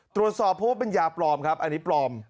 ตรวจสอบว่าเป็นยาปลอมอันนี้ปลอม